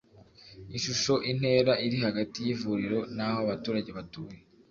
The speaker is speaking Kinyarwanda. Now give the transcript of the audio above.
Ishusho intera iri hagati y ivuriro n aho abaturage batuye